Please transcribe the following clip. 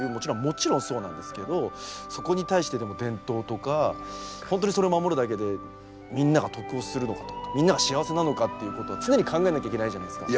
もちろんそうなんですけどそこに対してでも伝統とか本当にそれを守るだけでみんなが得をするのかとかみんなが幸せなのかっていうことは常に考えなきゃいけないじゃないですか。